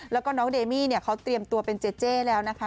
แล้วก็น้องเดมี่เนี่ยเขาเตรียมตัวเป็นเจเจ้แล้วนะคะ